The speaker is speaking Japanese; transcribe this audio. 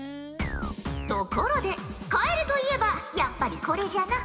ところでカエルといえばやっぱりこれじゃな。